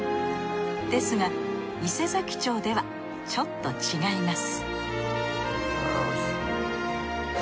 ですが伊勢佐木町ではちょっと違います